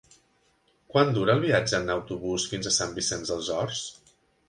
Quant dura el viatge en autobús fins a Sant Vicenç dels Horts?